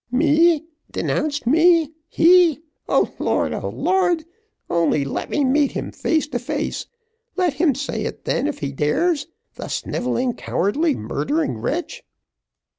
"Me denounced me he O Lord, O Lord, only let me meet him face to face let him say it then if he dares, the snivelling cowardly murdering wretch."